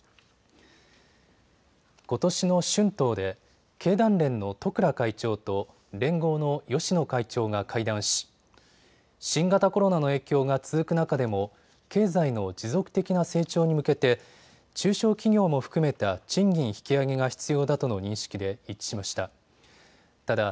ことしの春闘で経団連の十倉会長と連合の芳野会長が会談し新型コロナの影響が続く中でも経済の持続的な成長に向けて中小企業も含めた賃金引き上げが必要だとの認識で一致しました。